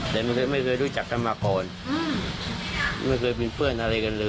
แต่ไม่เคยรู้จักกันมาก่อนไม่เคยเป็นเพื่อนอะไรกันเลย